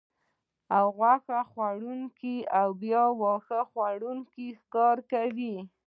او غوښه خوړونکي بیا واښه خوړونکي ښکار کوي